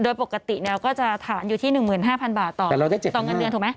โดยปกติก็จะฐานอยู่ที่๑๕๐๐บาทต่อเงินเดือนถูกไหม